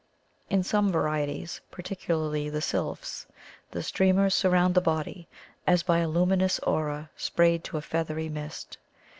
In some varieties, par ticularly the sylphs, the streamers surround the body, as by a luminous aura sprayed to a feathery mist.